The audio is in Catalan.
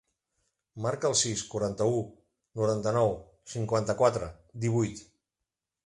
Marca el sis, quaranta-u, noranta-nou, cinquanta-quatre, divuit.